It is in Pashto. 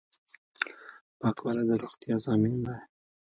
پاکوالی د روغتیا ضامن دی.